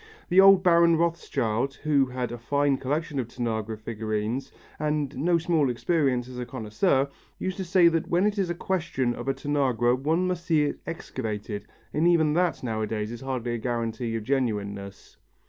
The old Baron Rothschild, who had a fine collection of Tanagra figurines and no small experience as a connoisseur, used to say that when it is a question of a Tanagra one must see it excavated, and even that nowadays is hardly a guarantee of genuineness.